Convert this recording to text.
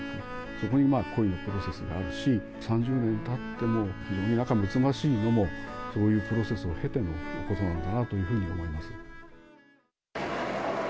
そこに恋のプロセスがあるし、３０年たっても非常に仲むつまじいのも、そういうプロセスを経てのことなんだなというふうに思います。